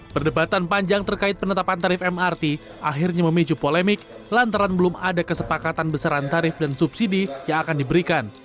perdebatan panjang terkait penetapan tarif mrt akhirnya memicu polemik lantaran belum ada kesepakatan besaran tarif dan subsidi yang akan diberikan